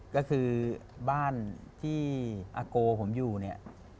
ก็คือบ้านที่อาโกผมอยู่เนี่ย